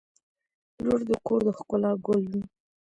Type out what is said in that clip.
• لور د کور د ښکلا ګل وي.